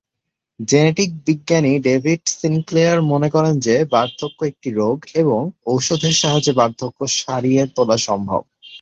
Genetic বিজ্ঞানী David Sinclair মনে করেন যে, বার্ধক্য একটি রোগ এবং ওষুধের সাহায্যে বার্ধক্য সারিয়ে তোলা সম্ভব।